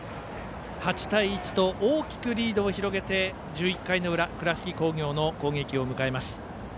８対１と大きくリードを広げて１１回の裏倉敷工業の攻撃を迎えます。